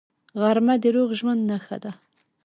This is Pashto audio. غرمه د روغ ژوند نښه ده